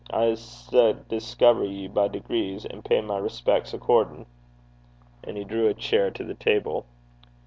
I s' discover ye by degrees, and pay my respecks accordin'.' And he drew a chair to the table.